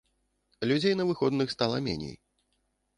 Людзей на выходных стала меней.